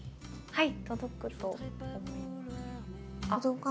はい。